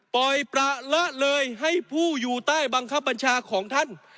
ปล่อยประละเลยให้ผู้อยู่ใต้บังคับบัญชาของท่าน